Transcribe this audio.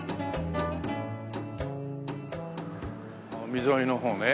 海沿いの方ね。